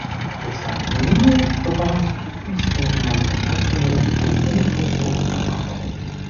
Ik sta meer bepaald sceptisch tegenover een uitzondering voor het ondergronds storten van afval.